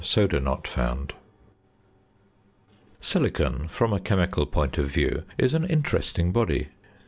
8 |||+++++ Silicon, from a chemical point of view, is an interesting body.